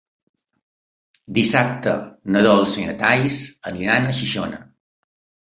Dissabte na Dolça i na Thaís aniran a Xixona.